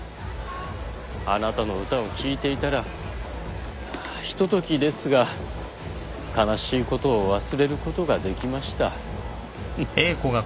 あなたの歌を聴いていたらひとときですが悲しいことを忘れることができました。